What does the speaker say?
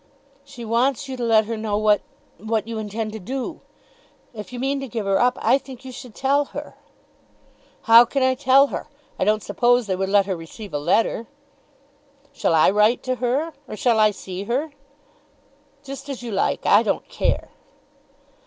"She wants you to let her know what, what you intend to do. If you mean to give her up, I think you should tell her." "How can I tell her? I don't suppose they would let her receive a letter." "Shall I write to her; or shall I see her?" "Just as you like. I don't care."